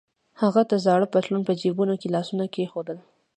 هغه د زاړه پتلون په جبونو کې لاسونه کېښودل.